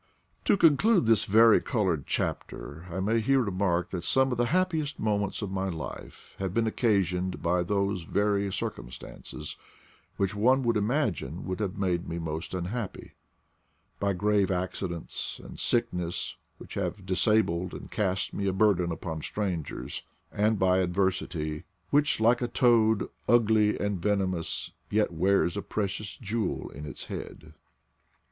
To conclude this vari colored chapter, I may here remark that some of the happiest moments of my life have been occasioned by those very cir cumstances which one would imagine would have made me most unhappy — by grave accidents, and sickness, which have disabled and cast me a bur den upon strangers; and by adversity, — Which, like a toad, ugly and venomous, Tet wean a precious jewel in its head.